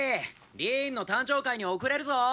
リーンの誕生会に遅れるぞ！